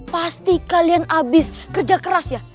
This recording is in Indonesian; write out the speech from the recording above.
pasti kalian abis kerja keras ya